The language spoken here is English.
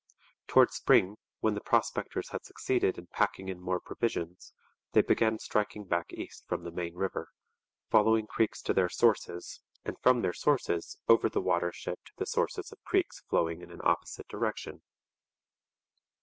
Towards spring, when the prospectors had succeeded in packing in more provisions, they began striking back east from the main river, following creeks to their sources, and from their sources over the watershed to the sources of creeks flowing in an opposite direction.